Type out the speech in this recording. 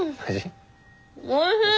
おいしい！